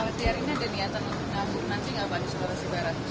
nggak apa apa di sulawesi barat